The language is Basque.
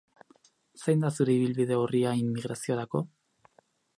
Zein da zure ibilbide-orria immigraziorako?